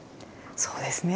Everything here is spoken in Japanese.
そうですね。